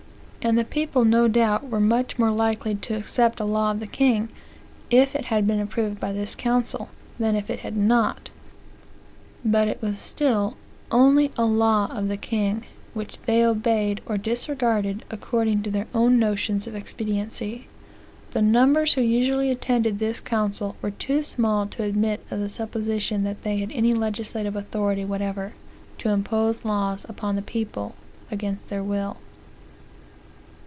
' And the people no doubt were much more likely to accept a law of the king, if it had been approved by this council, than if it had not. But it was still only a law of the king, which they obeyed or disregarded according to their own notions of expediency. The numbers who usually attended this council were too small to admit of the supposition that they had any legislative authority whatever, to impose laws upon the people against their will.